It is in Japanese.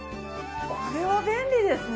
これは便利ですね！